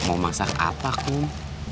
mau masak apa kum